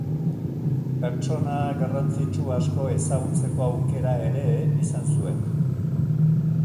Pertsona garrantzitsu asko ezagutzeko aukera ere izan zuen.